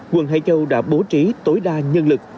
quận hải châu đã bố trí tối đa nhân lực